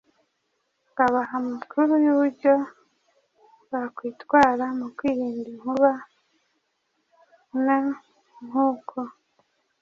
babaha amakuru y’ uburyo bakwitwara mu kwirinda inkuba.N Nk’ uko